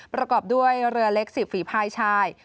ประกอบด้วยเรือเล็ก๑๐ฝีภายชาย